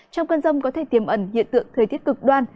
trong cơn rông có thể tiềm ẩn hiện tượng thời tiết cực đoan